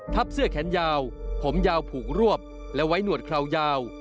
เสื้อแขนยาวผมยาวผูกรวบและไว้หนวดคราวยาว